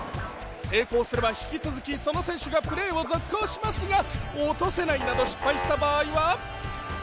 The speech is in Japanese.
成功すれば引き続きその選手がプレーを続行しますが落とせないなど失敗した場合は次の選手に交代します。